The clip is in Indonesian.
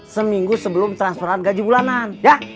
seminggu sebelum transferan gaji bulanan ya